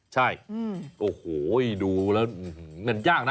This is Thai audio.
ใช่โอ้โหดูแล้วหือนั่นยากน่ะ